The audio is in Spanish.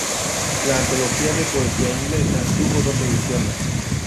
La antología de poesía inglesa tuvo dos ediciones.